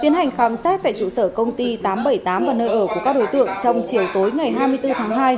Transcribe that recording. tiến hành khám xét tại trụ sở công ty tám trăm bảy mươi tám và nơi ở của các đối tượng trong chiều tối ngày hai mươi bốn tháng hai